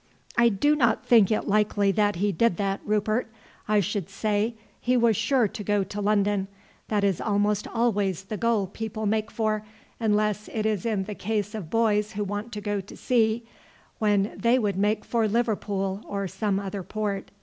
"I do not think it likely that he did that, Rupert. I should say he was sure to go to London; that is almost always the goal people make for, unless it is in the case of boys who want to go to sea, when they would make for Liverpool or some other port.